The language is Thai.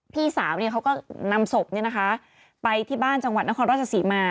พี่สาวเขาก็นำศพไปที่บ้านจังหวัดนครราชศรีมา